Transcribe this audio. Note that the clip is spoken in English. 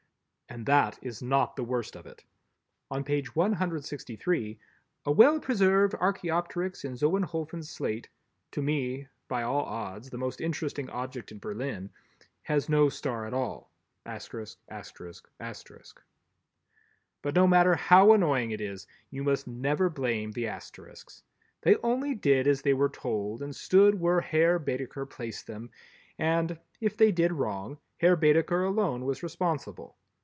And that is not the worst of it. On page 163, "a well preserved Archæopteryx in Solnhofen slate," to me by all odds the most interesting object in Berlin, has no star at all! But no matter how annoying it is, you must never blame the Asterisks. They only did as they were told and stood where Herr Baedeker placed them and, if they did wrong, Herr Baedeker alone was responsible.